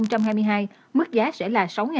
năm hai nghìn hai mươi hai mức giá sẽ là